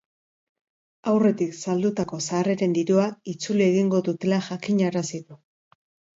Aurretik saldutako sarreren dirua itzuli egingo dutela jakinarazi du.